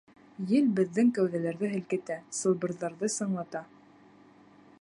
Ел беҙҙең кәүҙәләрҙе һелкетә, сылбырҙарҙы сыңлата.